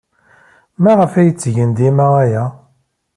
Maɣef ay ttgen dima aya?